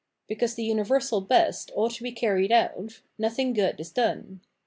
Because the universal best ought to be carried out, nothing good is done.